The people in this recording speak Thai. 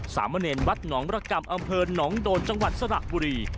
สามเณรวัดหนองมรกรรมอำเภอหนองโดนจังหวัดสระบุรี